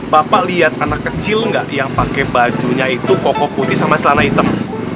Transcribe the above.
bapak lihat anak kecil nggak yang pakai bajunya itu koko putih sama celana hitam